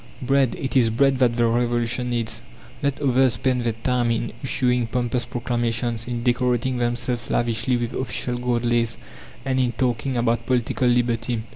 "Bread, it is bread that the Revolution needs!" Let others spend their time in issuing pompous proclamations, in decorating themselves lavishly with official gold lace, and in talking about political liberty!...